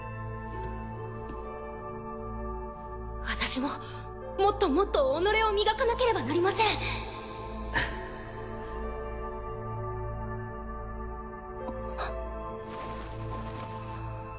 私ももっともっと己を磨かなければなりませんあっ。